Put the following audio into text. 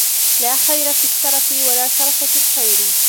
لَا خَيْرَ فِي السَّرَفِ وَلَا سَرَفَ فِي الْخَيْرِ